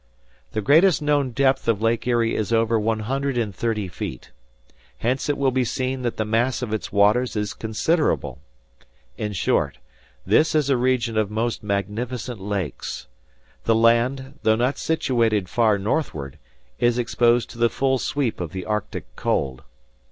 The greatest known depth of Lake Erie is over one hundred and thirty feet. Hence it will be seen that the mass of its waters is considerable. In short, this is a region of most magnificent lakes. The land, though not situated far northward, is exposed to the full sweep of the Arctic cold.